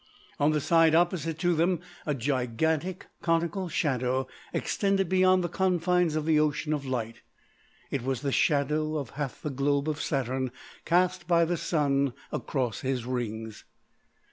On the side opposite to them a gigantic conical shadow extended beyond the confines of the ocean of light. It was the shadow of half the globe of Saturn cast by the Sun across his rings.